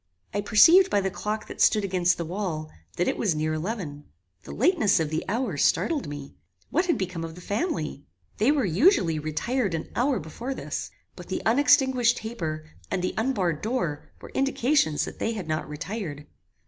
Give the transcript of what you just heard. I perceived by the clock that stood against the wall, that it was near eleven. The lateness of the hour startled me. What had become of the family? They were usually retired an hour before this; but the unextinguished taper, and the unbarred door were indications that they had not retired.